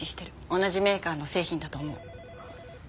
同じメーカーの製品だと思う。